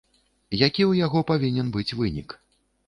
Які ў яго павінен быць вынік?